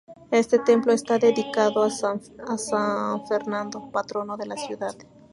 Este templo está dedicado a San Fernando, patrono de la ciudad.